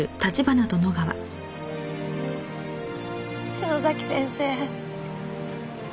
篠崎先生。